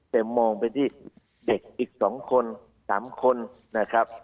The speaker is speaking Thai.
แต่มองไปที่เด็กอีก๒คน๓คนนะครับ